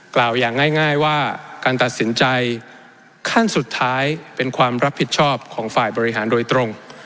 กล่าวอย่างง่ายว่าการตัดสินใจขั้นสุดท้ายเป็นความรับผิดชอบของฝ่ายบริหารโดยตรง